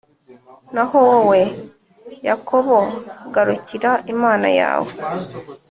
Naho wowe, Yakobo, garukira Imana yawe,